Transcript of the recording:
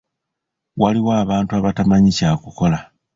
Waliwo abantu abatamanyi kyakukola.